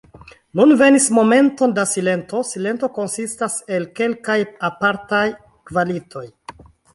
Nun venis momenton da silento—silento konsistanta el kelkaj apartaj kvalitoj.